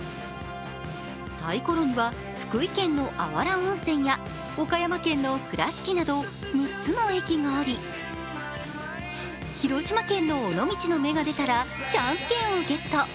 サイコロには福井県のあわら温泉や岡山県の倉敷など６つの駅があり、広島県の尾道の目が出たらチャンス券をゲット。